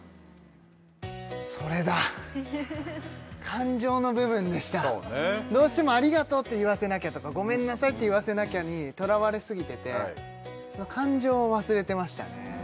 感情の部分でしたそうねどうしても「ありがとう」って言わせなきゃとか「ごめんなさい」って言わせなきゃにとらわれすぎててその感情を忘れてましたね